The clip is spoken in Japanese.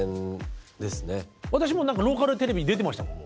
私もうローカルテレビ出てましたもん。